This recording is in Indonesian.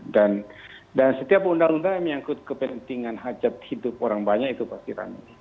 dan dan setiap undang undang yang mengangkut kepentingan hajat hidup orang banyak itu pasti rame